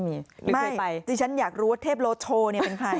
ไม่ที่ฉันอยากรู้ว่าเทพโลโชเป็นใคร